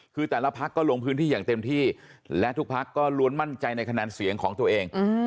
คือแต่ละพักก็ลงพื้นที่อย่างเต็มที่และทุกพักก็ล้วนมั่นใจในคะแนนเสียงของตัวเอง